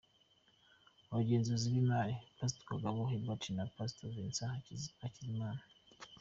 Abagenzuzi b’imari: Pastor Kagabo Hubert na Pastor Vincent Hakizimana.